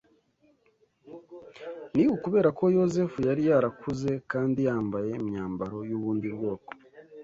Ni ukubera ko Yozefu yari yarakuze kandi yambaye imyambaro y’ubundi bwoko